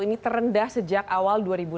ini terendah sejak awal dua ribu enam belas